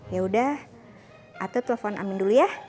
yaudah atau telepon amin dulu ya